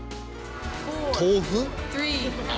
豆腐？